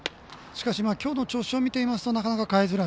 きょうの調子を見ているとなかなか代えづらい。